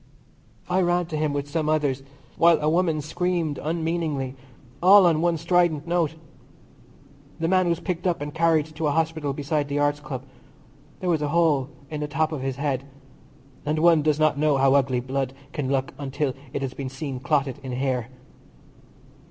I ran to him with some others, while a woman screamed unmeaningly, all on one strident note. The man was picked up and carried to a hospital beside the Arts Club. There was a hole in the top of his head, and one does not know how ugly blood can look until it has been seen clotted in hair.